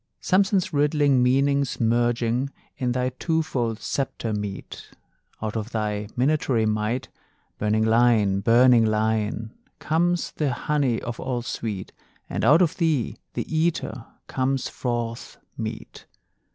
Samson's riddling meanings merging In thy twofold sceptre meet: Out of thy minatory might, Burning Lion, burning Lion, Comes the honey of all sweet, And out of thee, the eater, comes forth meat.